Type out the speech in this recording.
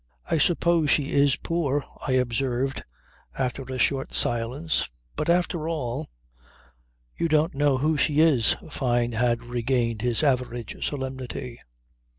"I suppose she is poor," I observed after a short silence. "But after all ..." "You don't know who she is." Fyne had regained his average solemnity.